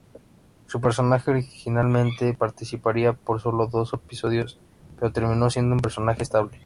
Su personaje originalmente participaría por sólo dos episodios, pero terminó siendo un personaje estable.